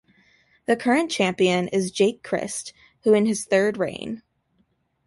The current champion is Jake Crist who is in his third reign.